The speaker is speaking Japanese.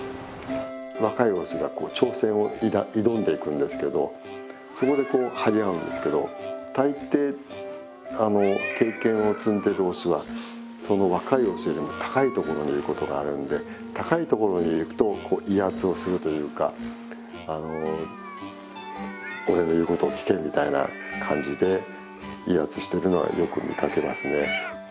若いオスが挑戦を挑んでいくんですけどそこでこう張り合うんですけど大抵経験を積んでいるオスはその若いオスよりも高い所にいることがあるんで高い所へ行くと威圧をするというか「俺の言うことを聞け」みたいな感じで威圧しているのはよく見かけますね。